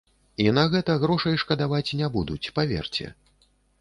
І на гэта грошай шкадаваць не будуць, паверце.